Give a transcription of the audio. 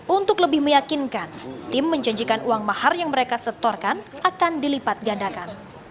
untuk lebih meyakinkan tim menjanjikan uang mahar yang mereka setorkan akan dilipat gandakan